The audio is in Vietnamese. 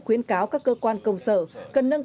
khuyến cáo các cơ quan công sở cần nâng cao các hệ thống